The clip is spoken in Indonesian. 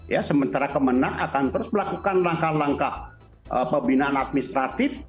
ya sementara kemenang akan terus melakukan langkah langkah pembinaan administratif